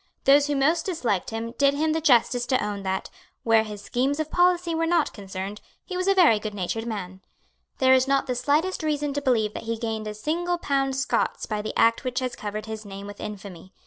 Those who most disliked him did him the justice to own that, where his schemes of policy were not concerned, he was a very goodnatured man. There is not the slightest reason to believe that he gained a single pound Scots by the act which has covered his name with infamy.